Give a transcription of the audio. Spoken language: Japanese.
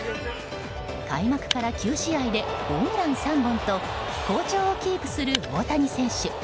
開幕から９試合でホームラン３本と好調をキープする大谷選手。